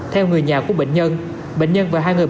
theo người nhà của bệnh nhân bệnh nhân và hai người bạn cũng ủng hộ